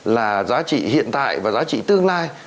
là giá trị hiện tại và giá trị tương lai